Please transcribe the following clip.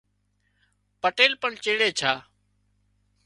پٽيل پڻ چيڙي ڇا